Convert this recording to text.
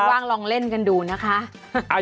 ว่างลองเล่นกันดูนะคะ